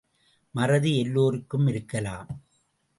மறதி எல்லோருக்கும் இருக்கலாம்.